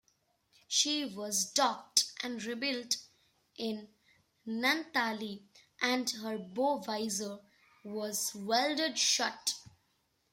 She was docked and rebuilt in Naantali and her bow visor was welded shut.